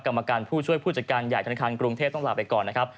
กรรมการผู้ช่วยผู้จัดการใหญ่ธนาคารกรุงเทพต้องลาไปก่อนนะครับ